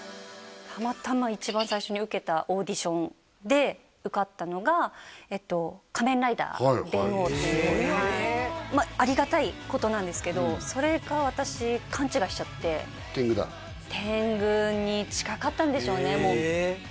たまたま一番最初に受けたオーディションで受かったのがっていうすごいよねありがたいことなんですけどそれが私天狗だ天狗に近かったんでしょうね